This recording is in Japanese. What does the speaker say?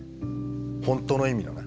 本当の意味のね。